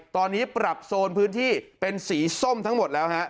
ตอนนี้ปรับโซนพื้นที่เป็นสีส้มทั้งหมดแล้วฮะ